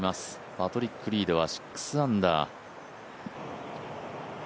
パトリック・リードは６アンダー。